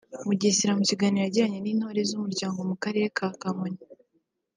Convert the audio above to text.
Mugesera mu kiganiro yagiranye n’Intore z’Umuryango mu Karere ka Kamonyi